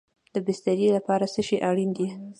د بسترې لپاره څه شی اړین دی؟